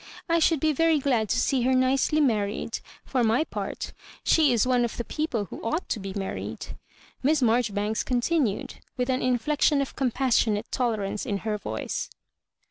I should be very glad to see her nicely married, for my part ; she is one of the people who ought to be married," Miss Maijoribanks continued, with an inflection of compassionate tolerance in her voice.